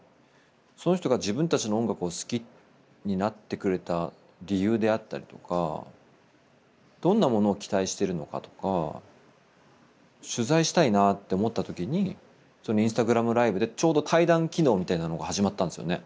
その人が自分たちの音楽を好きになってくれた理由であったりとかどんなものを期待してるのかとか取材したいなって思った時にＩｎｓｔａｇｒａｍライブでちょうど対談機能みたいなのが始まったんすよね